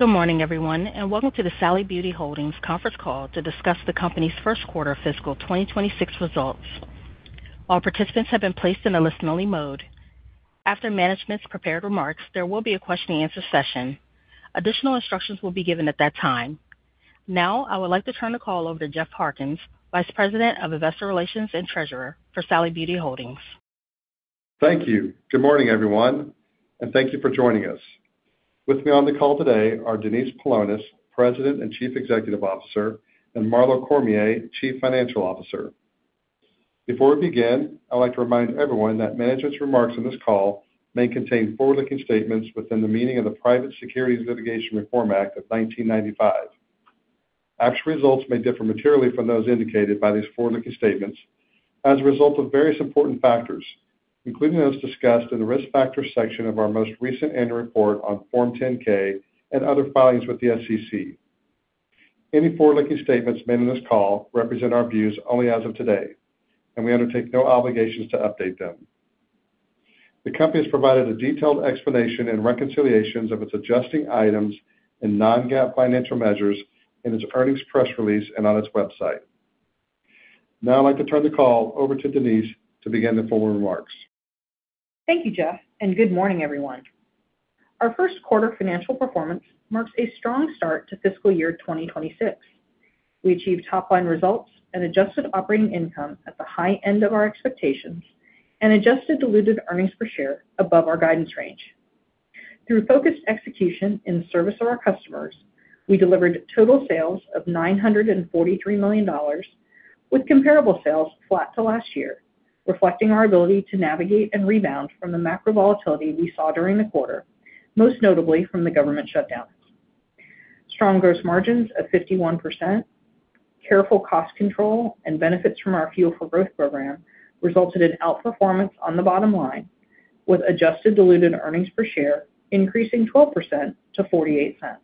Good morning, everyone, and welcome to the Sally Beauty Holdings Conference Call to discuss the company's first quarter fiscal 2026 results. All participants have been placed in a listen-only mode. After management's prepared remarks, there will be a question-and-answer session. Additional instructions will be given at that time. Now I would like to turn the call over to Jeff Harkins, Vice President of Investor Relations and Treasurer for Sally Beauty Holdings. Thank you. Good morning, everyone, and thank you for joining us. With me on the call today are Denise Paulonis, President and Chief Executive Officer, and Marlo Cormier, Chief Financial Officer. Before we begin, I would like to remind everyone that management's remarks on this call may contain forward-looking statements within the meaning of the Private Securities Litigation Reform Act of 1995. Actual results may differ materially from those indicated by these forward-looking statements as a result of various important factors, including those discussed in the Risk Factors section of our most recent annual report on Form 10-K and other filings with the SEC. Any forward-looking statements made on this call represent our views only as of today, and we undertake no obligations to update them. The company has provided a detailed explanation and reconciliations of its adjusting items and non-GAAP financial measures in its earnings press release and on its website. Now I'd like to turn the call over to Denise to begin the forward remarks. Thank you, Jeff, and good morning, everyone. Our first quarter financial performance marks a strong start to fiscal year 2026. We achieved top-line results and adjusted operating income at the high end of our expectations and adjusted diluted earnings per share above our guidance range. Through focused execution in service of our customers, we delivered total sales of $943 million, with comparable sales flat to last year, reflecting our ability to navigate and rebound from the macro volatility we saw during the quarter, most notably from the government shutdowns. Strong gross margins of 51%, careful cost control, and benefits from our Fuel for Growth program resulted in outperformance on the bottom line, with adjusted diluted earnings per share increasing 12% to $0.48.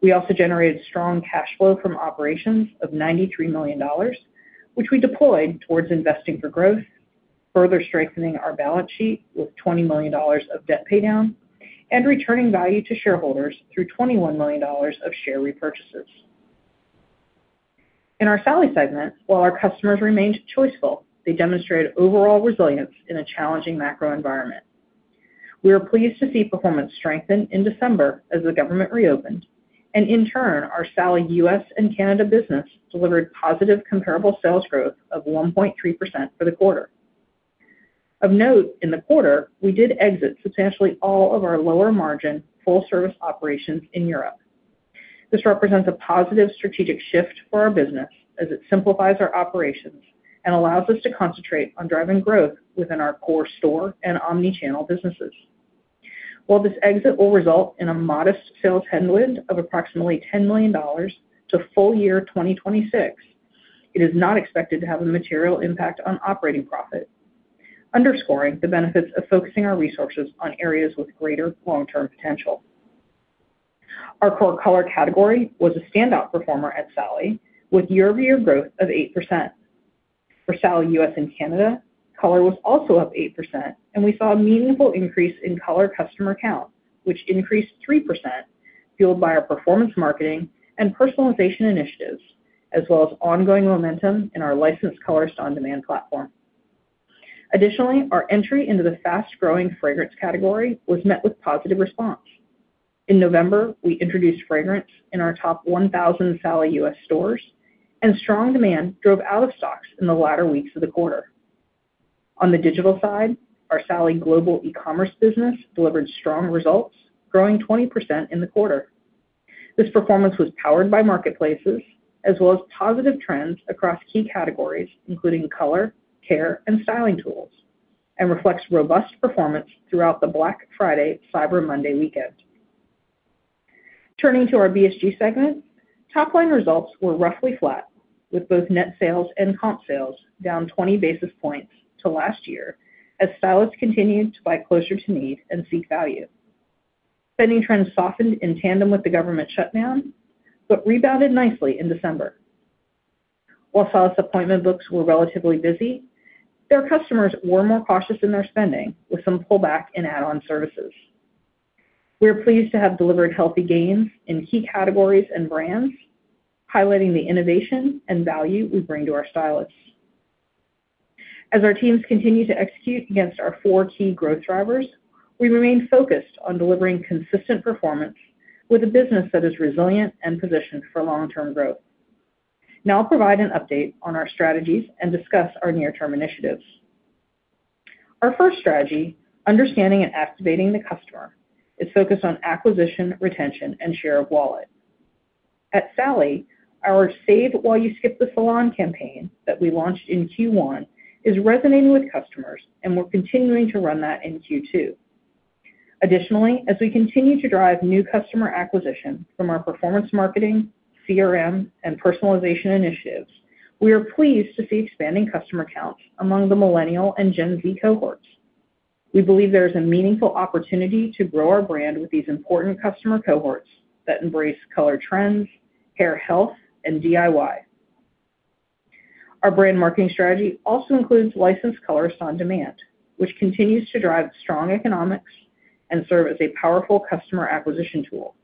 We also generated strong cash flow from operations of $93 million, which we deployed towards investing for growth, further strengthening our balance sheet with $20 million of debt paydown and returning value to shareholders through $21 million of share repurchases. In our Sally segment, while our customers remained choiceful, they demonstrated overall resilience in a challenging macro environment. We were pleased to see performance strengthen in December as the government reopened, and in turn, our Sally U.S. and Canada business delivered positive comparable sales growth of 1.3% for the quarter. Of note, in the quarter, we did exit substantially all of our lower-margin full-service operations in Europe. This represents a positive strategic shift for our business as it simplifies our operations and allows us to concentrate on driving growth within our core store and omnichannel businesses. While this exit will result in a modest sales headwind of approximately $10 million to full year 2026, it is not expected to have a material impact on operating profit, underscoring the benefits of focusing our resources on areas with greater long-term potential. Our core color category was a standout performer at Sally, with year-over-year growth of 8%. For Sally U.S. and Canada, color was also up 8%, and we saw a meaningful increase in color customer count, which increased 3% fueled by our performance marketing and personalization initiatives, as well as ongoing momentum in our licensed colorist-on-demand platform. Additionally, our entry into the fast-growing fragrance category was met with positive response. In November, we introduced fragrance in our top 1,000 Sally U.S. stores, and strong demand drove out of stocks in the latter weeks of the quarter. On the digital side, our Sally global e-commerce business delivered strong results, growing 20% in the quarter. This performance was powered by marketplaces as well as positive trends across key categories including color, care, and styling tools, and reflects robust performance throughout the Black Friday Cyber Monday weekend. Turning to our BSG segment, top-line results were roughly flat, with both net sales and comp sales down 20 basis points to last year as stylists continued to buy closer to need and seek value. Spending trends softened in tandem with the government shutdown but rebounded nicely in December. While stylist appointment books were relatively busy, their customers were more cautious in their spending, with some pullback in add-on services. We were pleased to have delivered healthy gains in key categories and brands, highlighting the innovation and value we bring to our stylists. As our teams continue to execute against our four key growth drivers, we remain focused on delivering consistent performance with a business that is resilient and positioned for long-term growth. Now I'll provide an update on our strategies and discuss our near-term initiatives. Our first strategy, understanding and activating the customer, is focused on acquisition, retention, and share of wallet. At Sally, our "Save While You Skip the Salon" campaign that we launched in Q1 is resonating with customers, and we're continuing to run that in Q2. Additionally, as we continue to drive new customer acquisition from our performance marketing, CRM, and personalization initiatives, we are pleased to see expanding customer counts among the millennial and Gen Z cohorts. We believe there is a meaningful opportunity to grow our brand with these important customer cohorts that embrace color trends, hair health, and DIY. Our brand marketing strategy also includes Licensed Colorist On Demand, which continues to drive strong economics and serve as a powerful customer acquisition tool.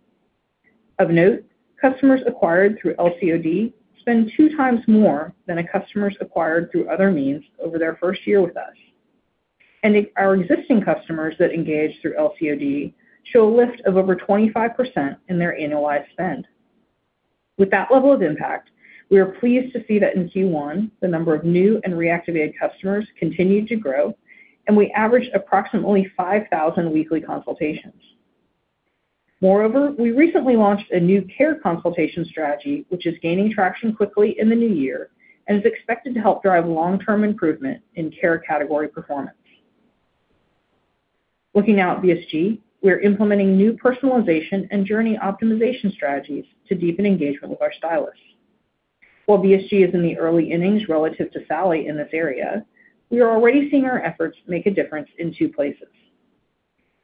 Of note, customers acquired through LCOD spend two times more than customers acquired through other means over their first year with us, and our existing customers that engage through LCOD show a lift of over 25% in their annualized spend. With that level of impact, we are pleased to see that in Q1 the number of new and reactivated customers continued to grow, and we averaged approximately 5,000 weekly consultations. Moreover, we recently launched a new care consultation strategy, which is gaining traction quickly in the new year and is expected to help drive long-term improvement in care category performance. Looking now at BSG, we are implementing new personalization and journey optimization strategies to deepen engagement with our stylists. While BSG is in the early innings relative to Sally in this area, we are already seeing our efforts make a difference in two places.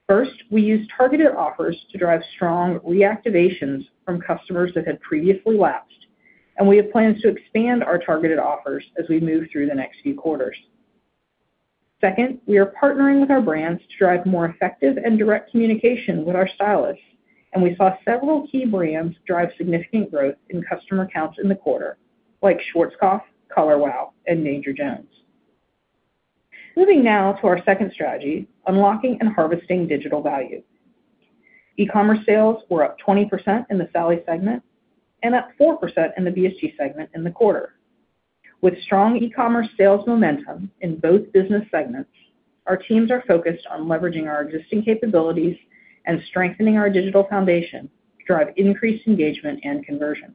First, we use targeted offers to drive strong reactivations from customers that had previously lapsed, and we have plans to expand our targeted offers as we move through the next few quarters. Second, we are partnering with our brands to drive more effective and direct communication with our stylists, and we saw several key brands drive significant growth in customer counts in the quarter, like Schwarzkopf, Color Wow, and Danger Jones. Moving now to our second strategy, unlocking and harvesting digital value. E-commerce sales were up 20% in the Sally segment and up 4% in the BSG segment in the quarter. With strong e-commerce sales momentum in both business segments, our teams are focused on leveraging our existing capabilities and strengthening our digital foundation to drive increased engagement and conversion.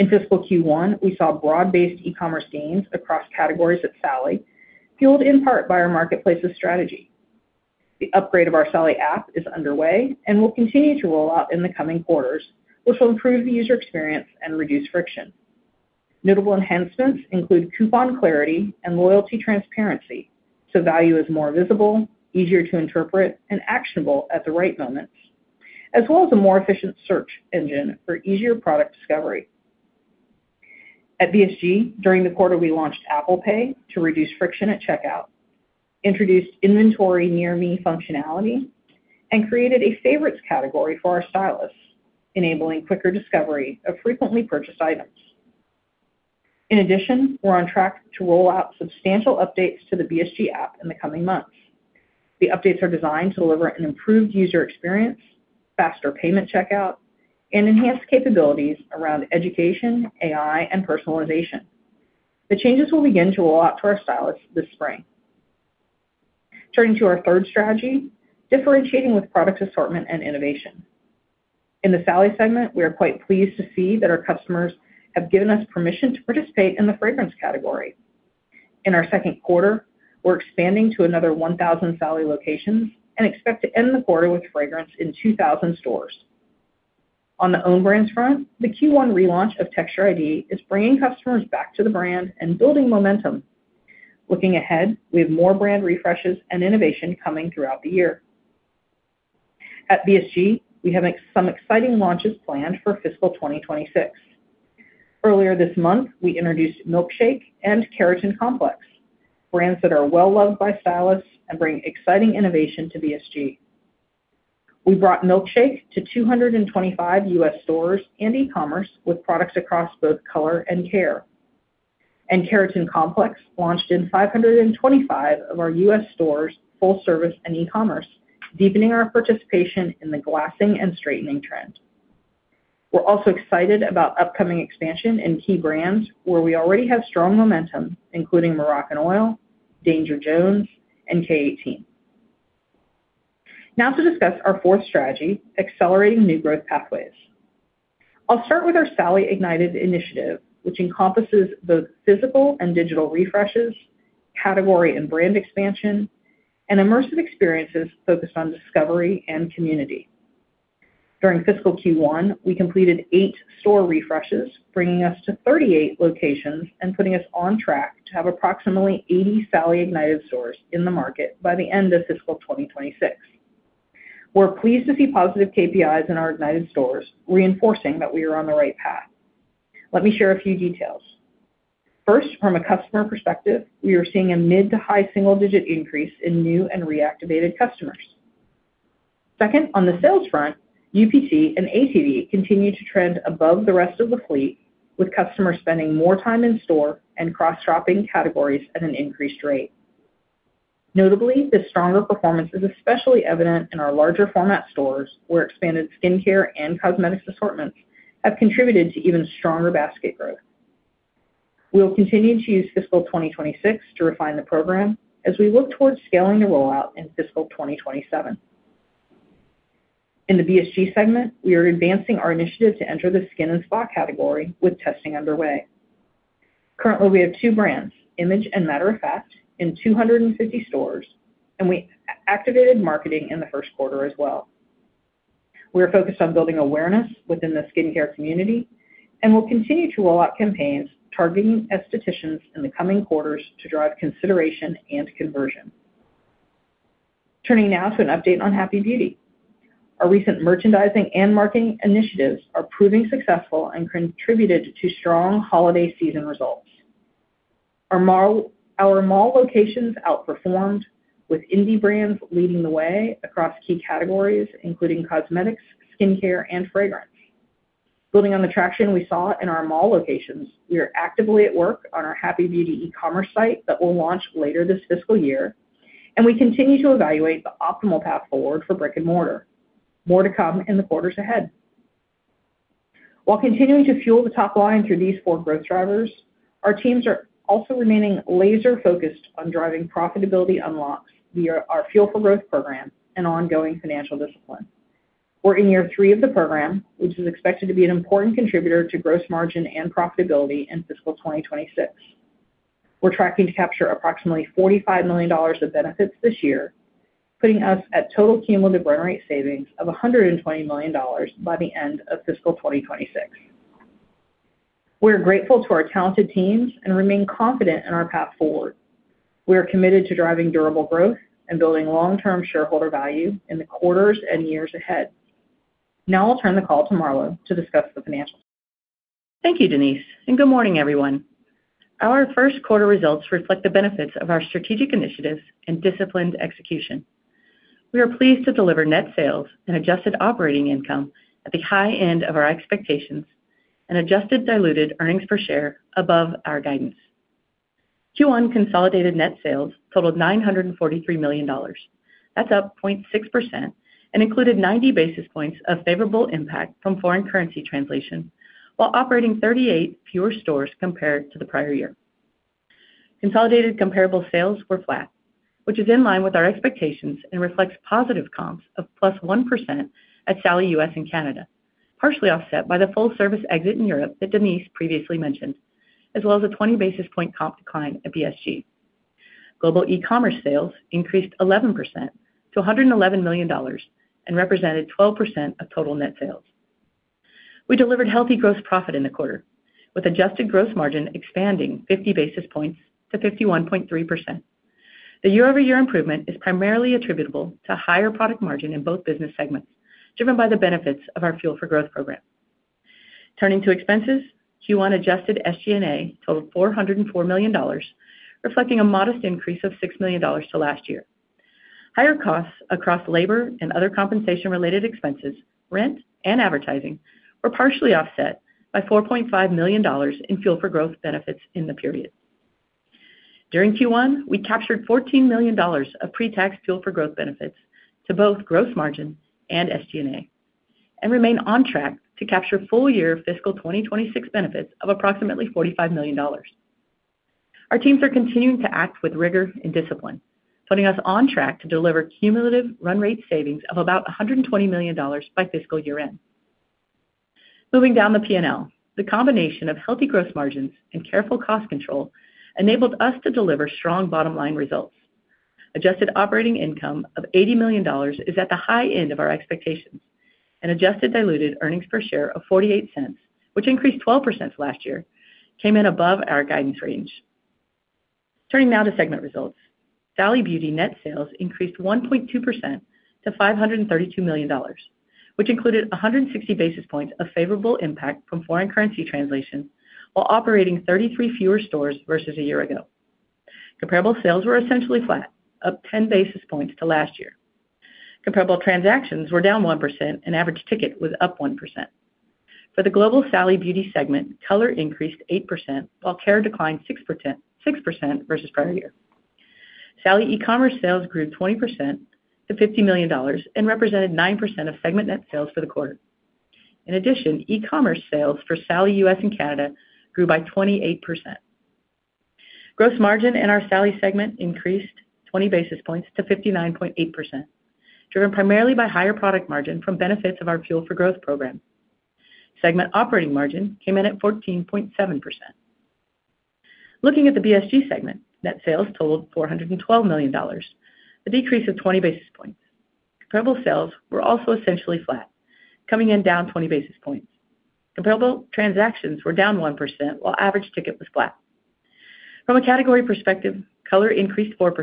In fiscal Q1, we saw broad-based e-commerce gains across categories at Sally, fueled in part by our marketplace's strategy. The upgrade of our Sally app is underway and will continue to roll out in the coming quarters, which will improve the user experience and reduce friction. Notable enhancements include coupon clarity and loyalty transparency, so value is more visible, easier to interpret, and actionable at the right moments, as well as a more efficient search engine for easier product discovery. At BSG, during the quarter, we launched Apple Pay to reduce friction at checkout, introduced inventory near-me functionality, and created a favorites category for our stylists, enabling quicker discovery of frequently purchased items. In addition, we're on track to roll out substantial updates to the BSG app in the coming months. The updates are designed to deliver an improved user experience, faster payment checkout, and enhanced capabilities around education, AI, and personalization. The changes will begin to roll out to our stylists this spring. Turning to our third strategy, differentiating with product assortment and innovation. In the Sally segment, we are quite pleased to see that our customers have given us permission to participate in the fragrance category. In our second quarter, we're expanding to another 1,000 Sally locations and expect to end the quarter with fragrance in 2,000 stores. On the own-brands front, the Q1 relaunch of Texture ID is bringing customers back to the brand and building momentum. Looking ahead, we have more brand refreshes and innovation coming throughout the year. At BSG, we have some exciting launches planned for fiscal 2026. Earlier this month, we introduced milk_shake and Keratin Complex, brands that are well-loved by stylists and bring exciting innovation to BSG. We brought milk_shake to 225 U.S. stores and e-commerce with products across both color and care, and Keratin Complex launched in 525 of our U.S. stores full-service and e-commerce, deepening our participation in the glassing and straightening trend. We're also excited about upcoming expansion in key brands where we already have strong momentum, including Moroccanoil, Danger Jones, and K18. Now to discuss our fourth strategy, accelerating new growth pathways. I'll start with our Sally Ignited initiative, which encompasses both physical and digital refreshes, category and brand expansion, and immersive experiences focused on discovery and community. During fiscal Q1, we completed eight store refreshes, bringing us to 38 locations and putting us on track to have approximately 80 Sally Ignited stores in the market by the end of fiscal 2026. We're pleased to see positive KPIs in our Ignited stores, reinforcing that we are on the right path. Let me share a few details. First, from a customer perspective, we are seeing a mid to high single-digit increase in new and reactivated customers. Second, on the sales front, UPT and ATV continue to trend above the rest of the fleet, with customers spending more time in store and cross-shopping categories at an increased rate. Notably, this stronger performance is especially evident in our larger-format stores, where expanded skincare and cosmetics assortments have contributed to even stronger basket growth. We will continue to use fiscal 2026 to refine the program as we look towards scaling the rollout in fiscal 2027. In the BSG segment, we are advancing our initiative to enter the skin and spa category with testing underway. Currently, we have two brands, IMAGE and Matter of Fact, in 250 stores, and we activated marketing in the first quarter as well. We are focused on building awareness within the skincare community and will continue to roll out campaigns targeting estheticians in the coming quarters to drive consideration and conversion. Turning now to an update on Happy Beauty. Our recent merchandising and marketing initiatives are proving successful and contributed to strong holiday season results. Our mall locations outperformed, with indie brands leading the way across key categories including cosmetics, skincare, and fragrance. Building on the traction we saw in our mall locations, we are actively at work on our Happy Beauty e-commerce site that will launch later this fiscal year, and we continue to evaluate the optimal path forward for brick and mortar. More to come in the quarters ahead. While continuing to fuel the top line through these four growth drivers, our teams are also remaining laser-focused on driving profitability unlocks via our Fuel for Growth program and ongoing financial discipline. We're in year three of the program, which is expected to be an important contributor to gross margin and profitability in fiscal 2026. We're tracking to capture approximately $45 million of benefits this year, putting us at total cumulative run rate savings of $120 million by the end of fiscal 2026. We are grateful to our talented teams and remain confident in our path forward. We are committed to driving durable growth and building long-term shareholder value in the quarters and years ahead. Now I'll turn the call to Marlo to discuss the financials. Thank you, Denise, and good morning, everyone. Our first quarter results reflect the benefits of our strategic initiatives and disciplined execution. We are pleased to deliver net sales and adjusted operating income at the high end of our expectations, and adjusted diluted earnings per share above our guidance. Q1 consolidated net sales totaled $943 million. That's up 0.6% and included 90 basis points of favorable impact from foreign currency translation while operating 38 fewer stores compared to the prior year. Consolidated comparable sales were flat, which is in line with our expectations and reflects positive comps of +1% at Sally U.S. and Canada, partially offset by the full-service exit in Europe that Denise previously mentioned, as well as a 20 basis point comp decline at BSG. Global e-commerce sales increased 11% to $111 million and represented 12% of total net sales. We delivered healthy gross profit in the quarter, with adjusted gross margin expanding 50 basis points to 51.3%. The year-over-year improvement is primarily attributable to higher product margin in both business segments, driven by the benefits of our Fuel for Growth program. Turning to expenses, Q1 adjusted SG&A totaled $404 million, reflecting a modest increase of $6 million to last year. Higher costs across labor and other compensation-related expenses, rent, and advertising were partially offset by $4.5 million in Fuel for Growth benefits in the period. During Q1, we captured $14 million of pre-tax Fuel for Growth benefits to both gross margin and SG&A, and remain on track to capture full-year fiscal 2026 benefits of approximately $45 million. Our teams are continuing to act with rigor and discipline, putting us on track to deliver cumulative run rate savings of about $120 million by fiscal year-end. Moving down the P&L, the combination of healthy gross margins and careful cost control enabled us to deliver strong bottom-line results. Adjusted operating income of $80 million is at the high end of our expectations, and adjusted diluted earnings per share of $0.48, which increased 12% last year, came in above our guidance range. Turning now to segment results. Sally Beauty net sales increased 1.2% to $532 million, which included 160 basis points of favorable impact from foreign currency translation while operating 33 fewer stores versus a year ago. Comparable sales were essentially flat, up 10 basis points to last year. Comparable transactions were down 1%, and average ticket was up 1%. For the global Sally Beauty segment, color increased 8% while care declined 6% versus prior year. Sally e-commerce sales grew 20% to $50 million and represented 9% of segment net sales for the quarter. In addition, e-commerce sales for Sally U.S. and Canada grew by 28%. Gross margin in our Sally segment increased 20 basis points to 59.8%, driven primarily by higher product margin from benefits of our Fuel for Growth program. Segment operating margin came in at 14.7%. Looking at the BSG segment, net sales totaled $412 million, a decrease of 20 basis points. Comparable sales were also essentially flat, coming in down 20 basis points. Comparable transactions were down 1% while average ticket was flat. From a category perspective, color increased 4%,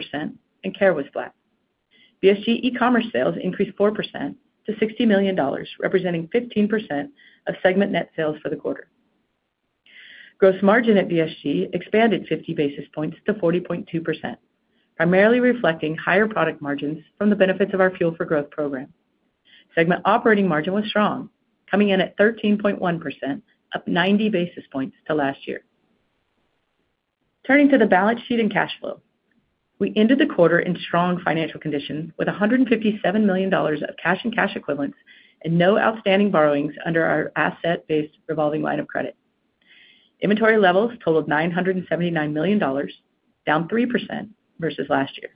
and care was flat. BSG e-commerce sales increased 4% to $60 million, representing 15% of segment net sales for the quarter. Gross margin at BSG expanded 50 basis points to 40.2%, primarily reflecting higher product margins from the benefits of our Fuel for Growth program. Segment operating margin was strong, coming in at 13.1%, up 90 basis points to last year. Turning to the balance sheet and cash flow. We ended the quarter in strong financial conditions with $157 million of cash and cash equivalents and no outstanding borrowings under our Asset-Based Revolving Line of Credit. Inventory levels totaled $979 million, down 3% versus last year.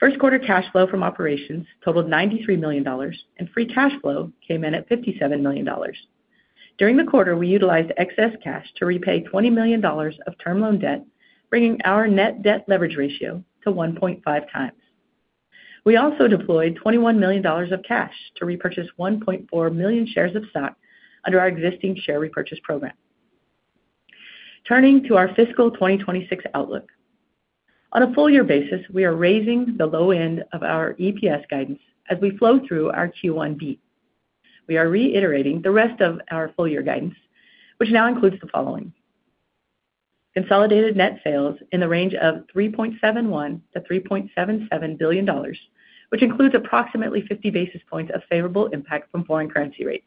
First quarter cash flow from operations totaled $93 million, and free cash flow came in at $57 million. During the quarter, we utilized excess cash to repay $20 million of term loan debt, bringing our net debt leverage ratio to 1.5 times. We also deployed $21 million of cash to repurchase 1.4 million shares of stock under our existing share repurchase program. Turning to our fiscal 2026 outlook. On a full-year basis, we are raising the low end of our EPS guidance as we flow through our Q1 beat. We are reiterating the rest of our full-year guidance, which now includes the following: Consolidated net sales in the range of $3.71-$3.77 billion, which includes approximately 50 basis points of favorable impact from foreign currency rate.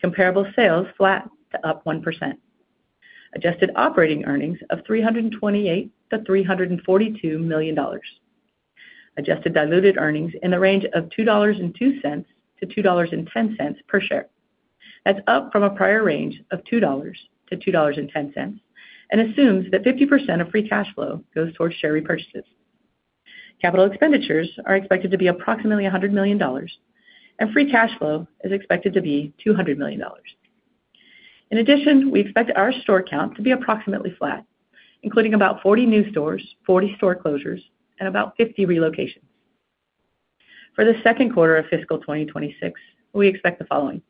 Comparable sales flat to up 1%. Adjusted operating earnings of $328-$342 million. Adjusted diluted earnings in the range of $2.02-$2.10 per share. That's up from a prior range of $2.00-$2.10 and assumes that 50% of free cash flow goes towards share repurchases. Capital expenditures are expected to be approximately $100 million, and free cash flow is expected to be $200 million. In addition, we expect our store count to be approximately flat, including about 40 new stores, 40 store closures, and about 50 relocations. For the second quarter of fiscal 2026, we expect the following: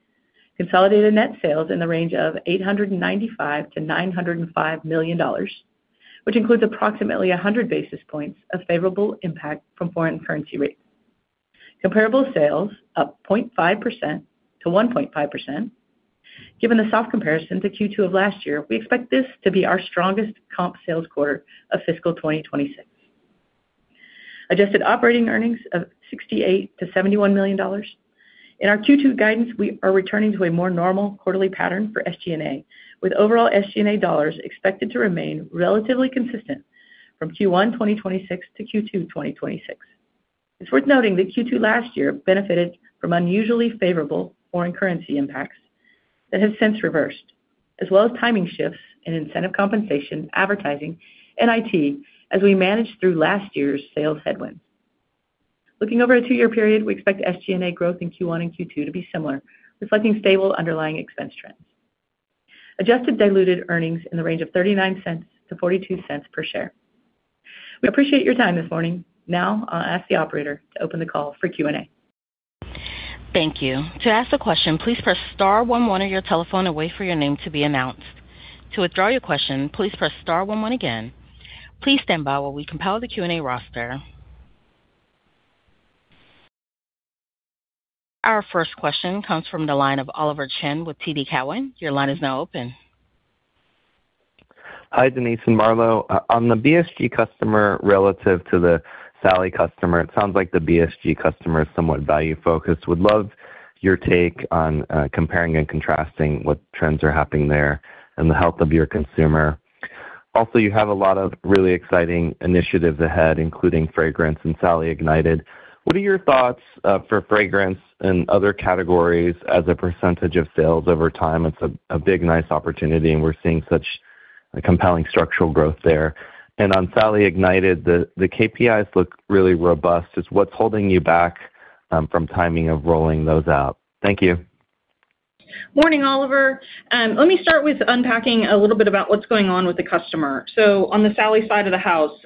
Consolidated net sales in the range of $895 million-$905 million, which includes approximately 100 basis points of favorable impact from foreign currency rate. Comparable sales up 0.5%-1.5%. Given the soft comparison to Q2 of last year, we expect this to be our strongest comp sales quarter of fiscal 2026. Adjusted operating earnings of $68 million-$71 million. In our Q2 guidance, we are returning to a more normal quarterly pattern for SG&A, with overall SG&A dollars expected to remain relatively consistent from Q1 2026 to Q2 2026. It's worth noting that Q2 last year benefited from unusually favorable foreign currency impacts that have since reversed, as well as timing shifts in incentive compensation, advertising, and IT as we managed through last year's sales headwinds. Looking over a two-year period, we expect SG&A growth in Q1 and Q2 to be similar, reflecting stable underlying expense trends. Adjusted diluted earnings in the range of $0.39-$0.42 per share. We appreciate your time this morning. Now I'll ask the operator to open the call for Q&A. Thank you. To ask a question, please press star one one on your telephone away from your name to be announced. To withdraw your question, please press star one one again. Please stand by while we compile the Q&A roster. Our first question comes from the line of Oliver Chen with TD Cowen. Your line is now open. Hi, Denise and Marlo. On the BSG customer relative to the Sally customer, it sounds like the BSG customer is somewhat value-focused. Would love your take on comparing and contrasting what trends are happening there and the health of your consumer. Also, you have a lot of really exciting initiatives ahead, including fragrance and Sally Ignited. What are your thoughts for fragrance and other categories as a percentage of sales over time? It's a big, nice opportunity, and we're seeing such compelling structural growth there. And on Sally Ignited, the KPIs look really robust. What's holding you back from timing of rolling those out? Thank you. Morning, Oliver. Let me start with unpacking a little bit about what's going on with the customer. So on the Sally side of the house,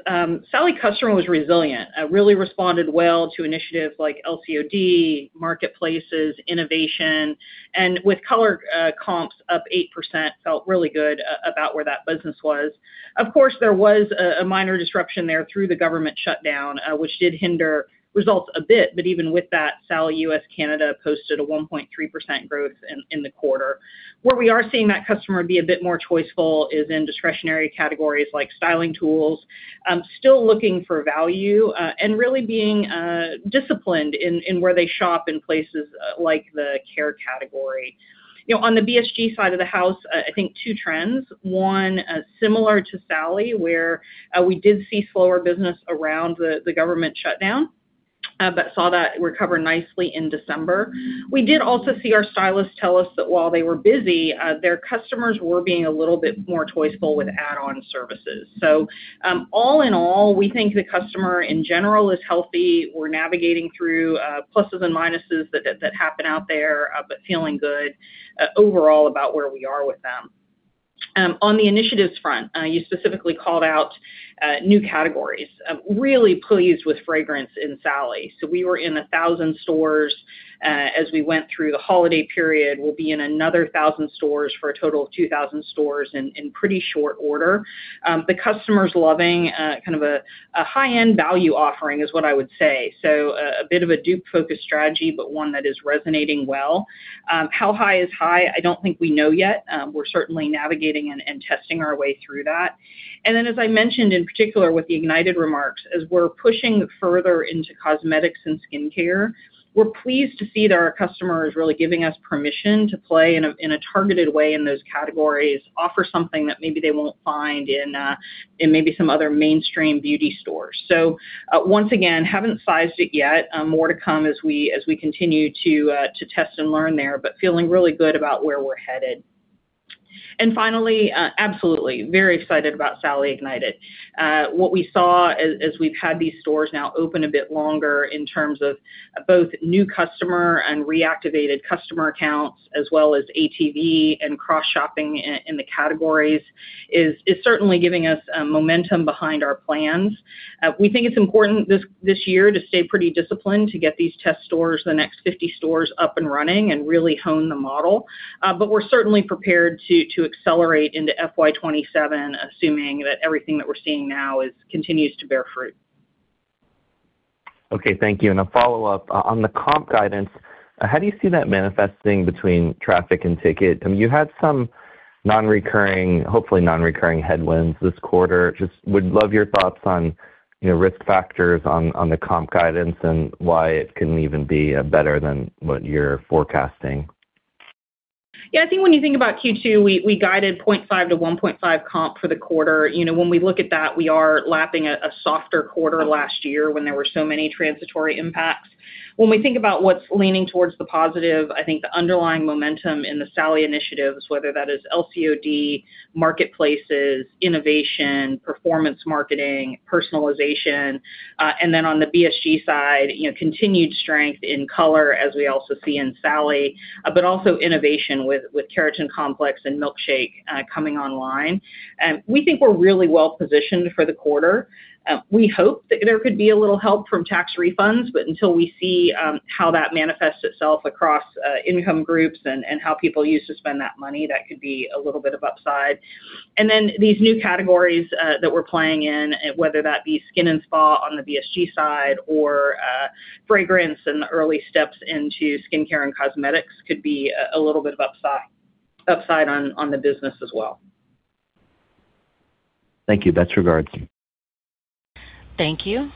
Sally customer was resilient, really responded well to initiatives like LCOD, marketplaces, innovation, and with color comps up 8%, felt really good about where that business was. Of course, there was a minor disruption there through the government shutdown, which did hinder results a bit, but even with that, Sally U.S. and Canada posted a 1.3% growth in the quarter. Where we are seeing that customer be a bit more choiceful is in discretionary categories like styling tools, still looking for value, and really being disciplined in where they shop in places like the care category. On the BSG side of the house, I think two trends. One, similar to Sally, where we did see slower business around the government shutdown, but saw that recover nicely in December. We did also see our stylists tell us that while they were busy, their customers were being a little bit more choiceful with add-on services. So all in all, we think the customer in general is healthy. We're navigating through pluses and minuses that happen out there, but feeling good overall about where we are with them. On the initiatives front, you specifically called out new categories. Really pleased with fragrance in Sally. So we were in 1,000 stores as we went through the holiday period. We'll be in another 1,000 stores for a total of 2,000 stores in pretty short order. The customer's loving kind of a high-end value offering is what I would say. So a bit of a dupe-focused strategy, but one that is resonating well. How high is high? I don't think we know yet. We're certainly navigating and testing our way through that. And then, as I mentioned in particular with the Ignited remarks, as we're pushing further into cosmetics and skincare, we're pleased to see that our customer is really giving us permission to play in a targeted way in those categories, offer something that maybe they won't find in maybe some other mainstream beauty stores. So once again, haven't sized it yet. More to come as we continue to test and learn there, but feeling really good about where we're headed. And finally, absolutely, very excited about Sally Ignited. What we saw as we've had these stores now open a bit longer in terms of both new customer and reactivated customer accounts, as well as ATV and cross-shopping in the categories, is certainly giving us momentum behind our plans. We think it's important this year to stay pretty disciplined to get these test stores, the next 50 stores, up and running and really hone the model. But we're certainly prepared to accelerate into FY27, assuming that everything that we're seeing now continues to bear fruit. Okay, thank you. A follow-up. On the comp guidance, how do you see that manifesting between traffic and ticket? You had some non-recurring, hopefully non-recurring headwinds this quarter. Just would love your thoughts on risk factors on the comp guidance and why it can even be better than what you're forecasting. Yeah, I think when you think about Q2, we guided 0.5%-1.5% comp for the quarter. When we look at that, we are lapping a softer quarter last year when there were so many transitory impacts. When we think about what's leaning towards the positive, I think the underlying momentum in the Sally initiatives, whether that is LCOD, marketplaces, innovation, performance marketing, personalization, and then on the BSG side, continued strength in color as we also see in Sally, but also innovation with Keratin Complex and milk_shake coming online. We think we're really well-positioned for the quarter. We hope that there could be a little help from tax refunds, but until we see how that manifests itself across income groups and how people use to spend that money, that could be a little bit of upside. And then these new categories that we're playing in, whether that be skin and spa on the BSG side or fragrance and the early steps into skincare and cosmetics, could be a little bit of upside on the business as well. Thank you. Best regards. Thank you.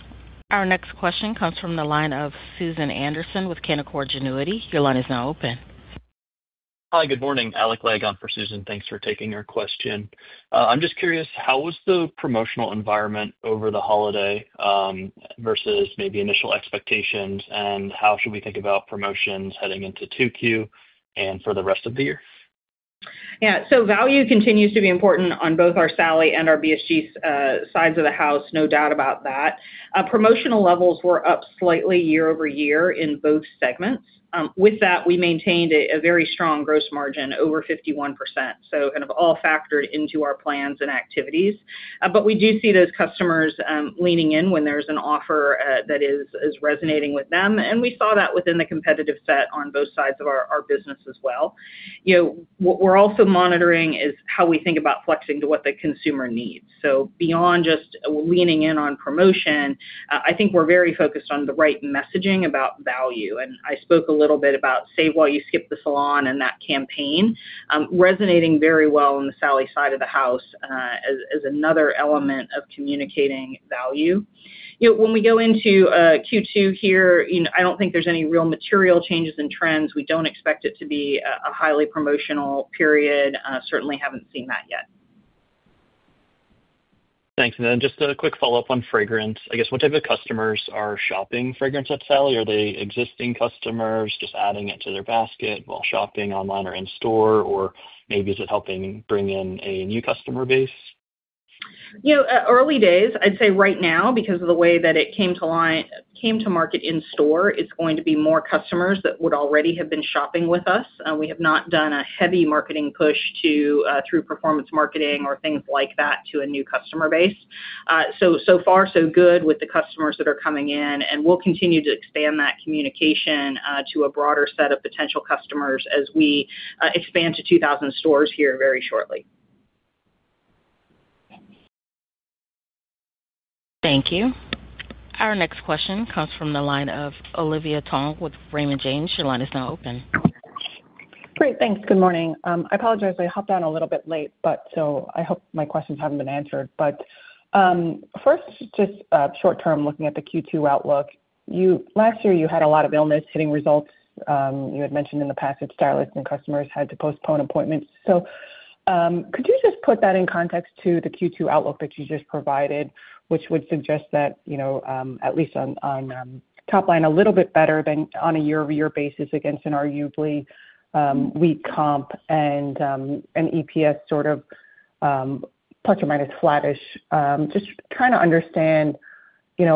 Our next question comes from the line of Susan Anderson with Canaccord Genuity. Your line is now open. Hi, good morning. Alec Legg for Susan. Thanks for taking our question. I'm just curious, how was the promotional environment over the holiday versus maybe initial expectations, and how should we think about promotions heading into 2Q and for the rest of the year? Yeah, so value continues to be important on both our Sally and our BSG sides of the house, no doubt about that. Promotional levels were up slightly year-over-year in both segments. With that, we maintained a very strong gross margin over 51%, so kind of all factored into our plans and activities. But we do see those customers leaning in when there's an offer that is resonating with them, and we saw that within the competitive set on both sides of our business as well. What we're also monitoring is how we think about flexing to what the consumer needs. So beyond just leaning in on promotion, I think we're very focused on the right messaging about value. I spoke a little bit about "Save while you skip the salon" and that campaign, resonating very well on the Sally side of the house as another element of communicating value. When we go into Q2 here, I don't think there's any real material changes and trends. We don't expect it to be a highly promotional period. Certainly haven't seen that yet. Thanks. And then just a quick follow-up on fragrance. I guess, what type of customers are shopping fragrance at Sally? Are they existing customers just adding it to their basket while shopping online or in-store, or maybe is it helping bring in a new customer base? Early days, I'd say right now, because of the way that it came to market in-store, it's going to be more customers that would already have been shopping with us. We have not done a heavy marketing push through performance marketing or things like that to a new customer base. So far, so good with the customers that are coming in, and we'll continue to expand that communication to a broader set of potential customers as we expand to 2,000 stores here very shortly. Thank you. Our next question comes from the line of Olivia Tong with Raymond James. Your line is now open. Great, thanks. Good morning. I apologize. I hopped on a little bit late, so I hope my questions haven't been answered. But first, just short-term looking at the Q2 outlook, last year you had a lot of illness hitting results. You had mentioned in the past that stylists and customers had to postpone appointments. So could you just put that in context to the Q2 outlook that you just provided, which would suggest that, at least on top line, a little bit better than on a year-over-year basis against an arguably weak comp and an EPS sort of plus or minus flattish? Just trying to understand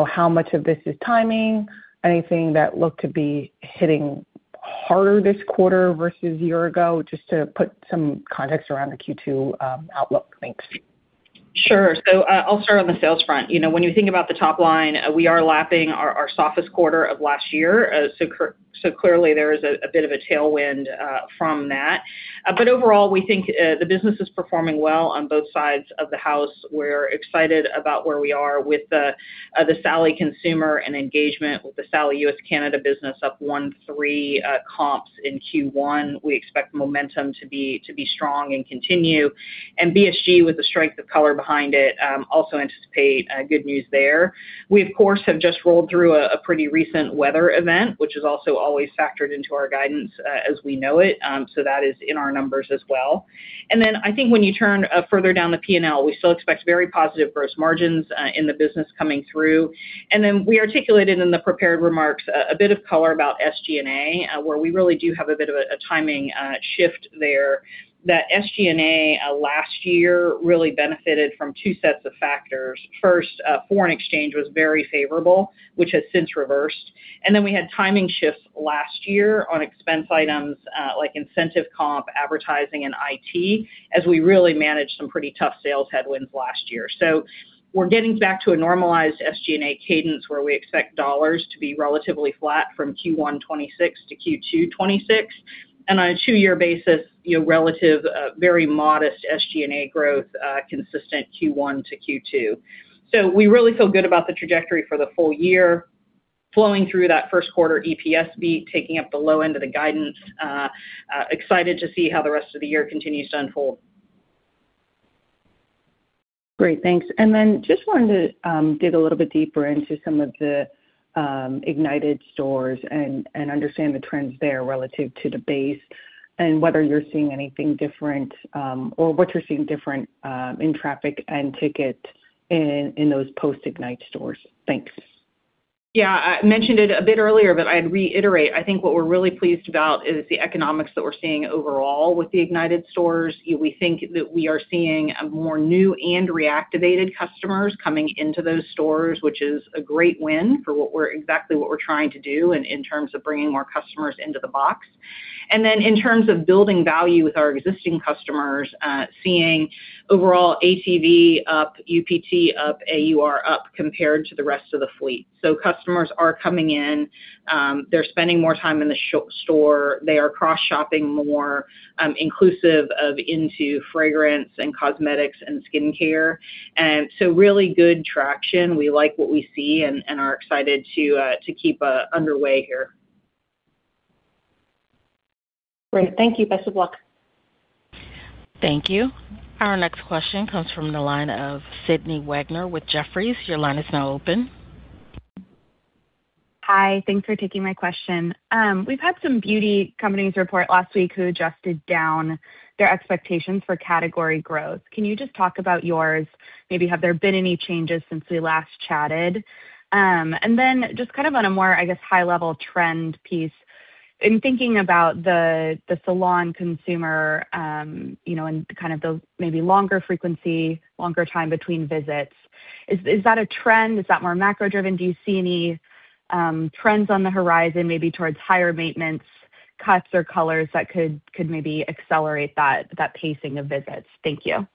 how much of this is timing, anything that looked to be hitting harder this quarter versus a year ago, just to put some context around the Q2 outlook. Thanks. Sure. So I'll start on the sales front. When you think about the top line, we are lapping our softest quarter of last year. So clearly, there is a bit of a tailwind from that. But overall, we think the business is performing well on both sides of the house. We're excited about where we are with the Sally consumer and engagement with the Sally U.S. and Canada business up 1.3 comps in Q1. We expect momentum to be strong and continue. And BSG, with the strength of color behind it, also anticipate good news there. We, of course, have just rolled through a pretty recent weather event, which is also always factored into our guidance as we know it. So that is in our numbers as well. And then I think when you turn further down the P&L, we still expect very positive gross margins in the business coming through. Then we articulated in the prepared remarks a bit of color about SG&A, where we really do have a bit of a timing shift there. That SG&A last year really benefited from two sets of factors. First, foreign exchange was very favorable, which has since reversed. And then we had timing shifts last year on expense items like incentive comp, advertising, and IT as we really managed some pretty tough sales headwinds last year. So we're getting back to a normalized SG&A cadence where we expect dollars to be relatively flat from Q1 2026 to Q2 2026. And on a two-year basis, relative, very modest SG&A growth, consistent Q1 to Q2. So we really feel good about the trajectory for the full year, flowing through that first quarter EPS beat, taking up the low end of the guidance. Excited to see how the rest of the year continues to unfold. Great, thanks. And then just wanted to dig a little bit deeper into some of the Ignited stores and understand the trends there relative to the base and whether you're seeing anything different or what you're seeing different in traffic and ticket in those post-Ignite stores? Thanks. Yeah, I mentioned it a bit earlier, but I'd reiterate. I think what we're really pleased about is the economics that we're seeing overall with the Ignited stores. We think that we are seeing more new and reactivated customers coming into those stores, which is a great win for exactly what we're trying to do in terms of bringing more customers into the box. And then in terms of building value with our existing customers, seeing overall ATV up, UPT up, AUR up compared to the rest of the fleet. So customers are coming in. They're spending more time in the store. They are cross-shopping more, inclusive of into fragrance and cosmetics and skincare. And so really good traction. We like what we see and are excited to keep underway here. Great. Thank you. Best of luck. Thank you. Our next question comes from the line of Sydney Wagner with Jefferies. Your line is now open. Hi, thanks for taking my question. We've had some beauty companies report last week who adjusted down their expectations for category growth. Can you just talk about yours? Maybe have there been any changes since we last chatted? And then just kind of on a more, I guess, high-level trend piece, in thinking about the salon consumer and kind of the maybe longer frequency, longer time between visits, is that a trend? Is that more macro-driven? Do you see any trends on the horizon, maybe towards higher maintenance, cuts, or colors that could maybe accelerate that pacing of visits? Thank you.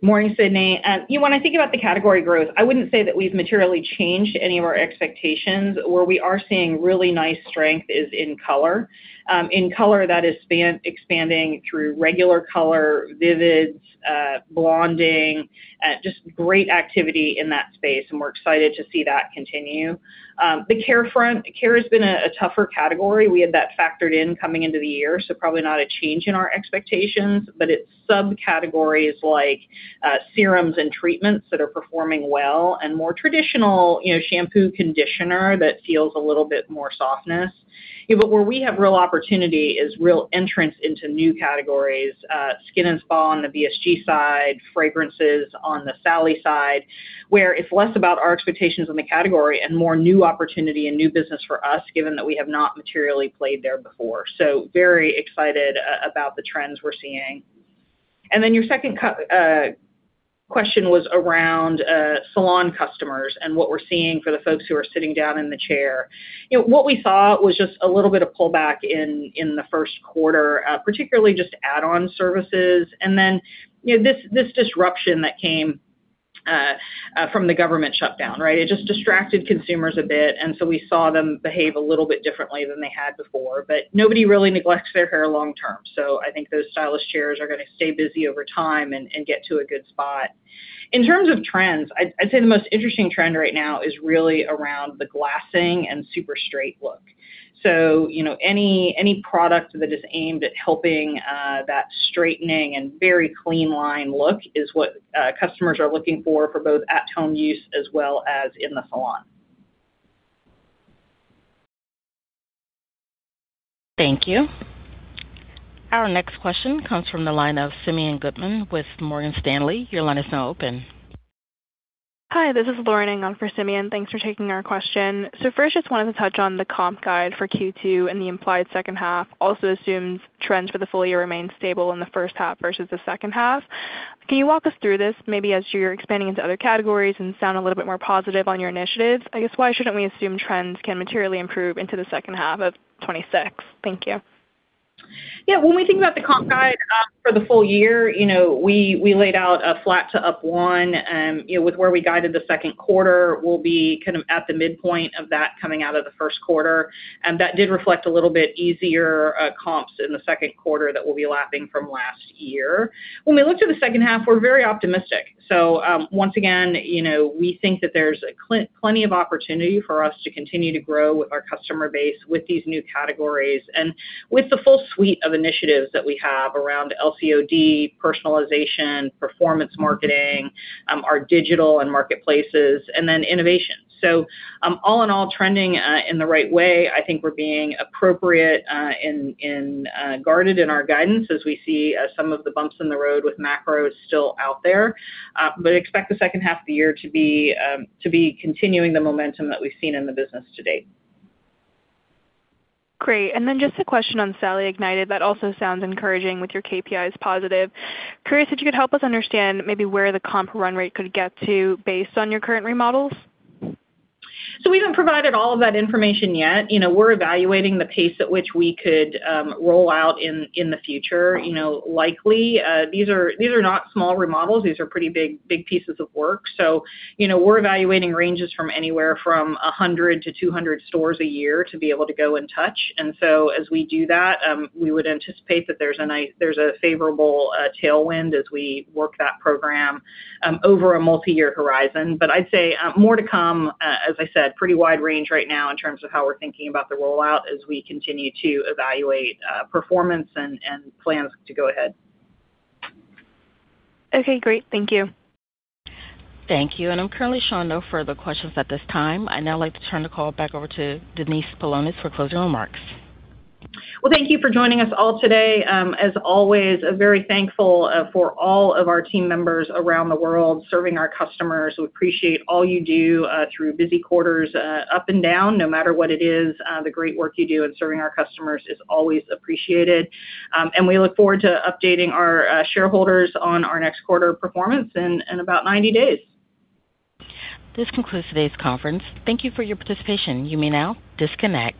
Morning, Sydney. When I think about the category growth, I wouldn't say that we've materially changed any of our expectations. Where we are seeing really nice strength is in color. In color, that is expanding through regular color, vivids, blonding, just great activity in that space. And we're excited to see that continue. The care front, care has been a tougher category. We had that factored in coming into the year, so probably not a change in our expectations. But it's subcategories like serums and treatments that are performing well and more traditional shampoo, conditioner that feels a little bit more softness. But where we have real opportunity is real entrance into new categories, skin and spa on the BSG side, fragrances on the Sally side, where it's less about our expectations on the category and more new opportunity and new business for us, given that we have not materially played there before. So very excited about the trends we're seeing. And then your second question was around salon customers and what we're seeing for the folks who are sitting down in the chair. What we saw was just a little bit of pullback in the first quarter, particularly just add-on services. And then this disruption that came from the government shutdown, right? It just distracted consumers a bit. And so we saw them behave a little bit differently than they had before. But nobody really neglects their hair long-term. So I think those stylist chairs are going to stay busy over time and get to a good spot. In terms of trends, I'd say the most interesting trend right now is really around the glassing and super straight look. So any product that is aimed at helping that straightening and very clean line look is what customers are looking for for both at-home use as well as in the salon. Thank you. Our next question comes from the line of Simeon Gutman with Morgan Stanley. Your line is now open. Hi, this is Lauren Ng for Simeon. Thanks for taking our question. So first, just wanted to touch on the comp guide for Q2 and the implied second half also assumes trends for the full year remain stable in the first half versus the second half. Can you walk us through this, maybe as you're expanding into other categories and sound a little bit more positive on your initiatives? I guess, why shouldn't we assume trends can materially improve into the second half of 2026? Thank you. Yeah, when we think about the comp guide for the full year, we laid out a flat to up 1%. With where we guided the second quarter, we'll be kind of at the midpoint of that coming out of the first quarter. And that did reflect a little bit easier comps in the second quarter that we'll be lapping from last year. When we look to the second half, we're very optimistic. So once again, we think that there's plenty of opportunity for us to continue to grow with our customer base with these new categories and with the full suite of initiatives that we have around LCOD, personalization, performance marketing, our digital and marketplaces, and then innovation. All in all, trending in the right way, I think we're being appropriate and guarded in our guidance as we see some of the bumps in the road with macro still out there. Expect the second half of the year to be continuing the momentum that we've seen in the business to date. Great. And then just a question on Sally Ignited. That also sounds encouraging with your KPIs positive. Curious if you could help us understand maybe where the comp run rate could get to based on your current remodels. So we haven't provided all of that information yet. We're evaluating the pace at which we could roll out in the future. Likely, these are not small remodels. These are pretty big pieces of work. So we're evaluating ranges from anywhere from 100-200 stores a year to be able to go and touch. And so as we do that, we would anticipate that there's a favorable tailwind as we work that program over a multi-year horizon. But I'd say more to come. As I said, pretty wide range right now in terms of how we're thinking about the rollout as we continue to evaluate performance and plans to go ahead. Okay, great. Thank you. Thank you. I'm currently showing no further questions at this time. I now like to turn the call back over to Denise Paulonis for closing remarks. Well, thank you for joining us all today. As always, very thankful for all of our team members around the world serving our customers. We appreciate all you do through busy quarters up and down. No matter what it is, the great work you do in serving our customers is always appreciated. And we look forward to updating our shareholders on our next quarter performance in about 90 days. This concludes today's conference. Thank you for your participation. You may now disconnect.